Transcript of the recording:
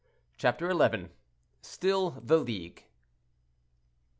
CHAPTER XI STILL THE LEAGUE.